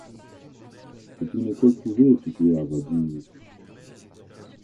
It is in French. C'est une école privée située à Vaduz.